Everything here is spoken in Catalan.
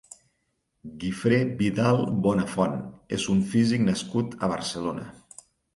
Guifré Vidal Bonafont és un físic nascut a Barcelona.